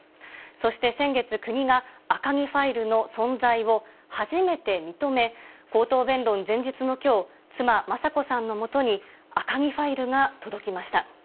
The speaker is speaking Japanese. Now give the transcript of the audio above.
そして先月、国が赤木ファイルの存在を初めて認め、口頭弁論前日のきょう、妻、雅子さんのもとに赤木ファイルが届きました。